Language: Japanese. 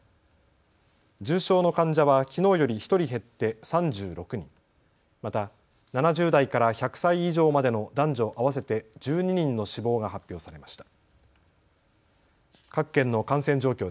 重症の患者はきのうより１人減って３６人、また７０代から１００歳以上までの男女合わせて１２人の死亡が発表されました。